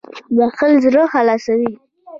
• بښل زړه خلاصوي.